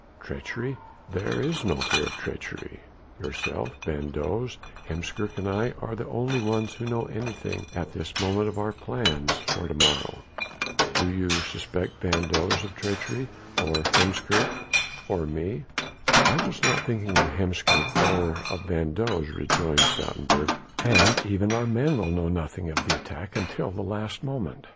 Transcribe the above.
Treachery? there is no fear of treachery. Yourself, van Does, Heemskerk and I are the only ones who know anything at this moment of our plans for to morrow. Do you suspect van Does of treachery, or Heemskerk, or me?" "I was not thinking of Heemskerk or of van Does," rejoined Stoutenburg, "and even our men will know nothing of the attack until the last moment.